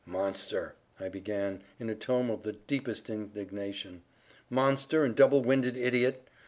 "Monster!" I began in a tone of the deepest indignation—"monster and double winded idiot!